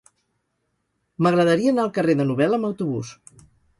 M'agradaria anar al carrer de Nobel amb autobús.